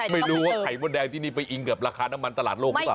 ไม่รู้ว่าไข่มดแดงที่นี่ไปอิงกับราคาน้ำมันตลาดโลกหรือเปล่า